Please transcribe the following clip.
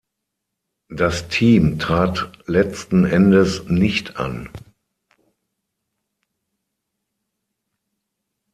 Das Team trat letzten Endes nicht an.